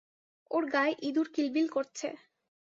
ওর গায়ে ইঁদুর কিলবিল করছে।